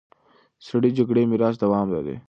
سړې جګړې میراث دوام لري.